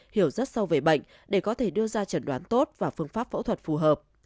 hiểu rất sâu về bệnh để có thể đưa ra trần đoán tốt và phương pháp phẫu thuật phù hợp